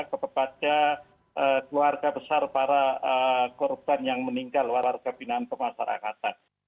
kepada keluarga besar para korban yang meninggal warga pindahan pemasaran angkatan